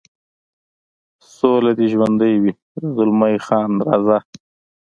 سوله دې ژوندی وي، زلمی خان: راځه.